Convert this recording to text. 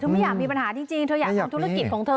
ไม่อยากมีปัญหาจริงเธออยากทำธุรกิจของเธอ